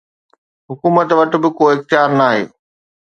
حڪومت وٽ به ڪو اختيار ناهي.